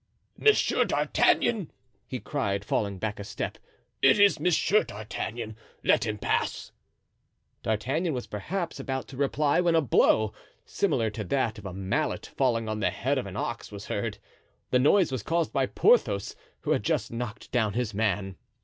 "Monsieur d'Artagnan!" he cried, falling back a step; "it is Monsieur d'Artagnan! let him pass." D'Artagnan was perhaps about to reply, when a blow, similar to that of a mallet falling on the head of an ox, was heard. The noise was caused by Porthos, who had just knocked down his man.